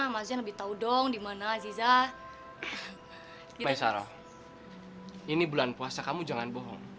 mudah mudahan kualat bu